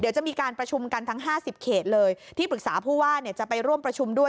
เดี๋ยวจะมีการประชุมกันทั้ง๕๐เขตเลยที่ปรึกษาผู้ว่าเนี่ยจะไปร่วมประชุมด้วย